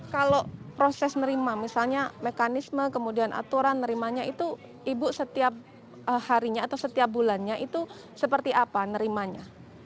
kalau proses nerima misalnya mekanisme kemudian aturan nerimanya itu ibu setiap harinya atau setiap bulannya itu seperti apa nerimanya